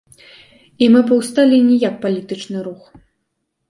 І мы паўсталі не як палітычны рух.